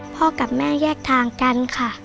พ่อกับแม่แยกทางกันค่ะ